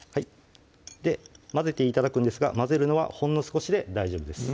混ぜて頂くんですが混ぜるのはほんの少しで大丈夫です